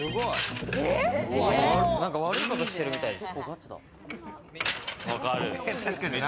何か悪いことしてるみたいです。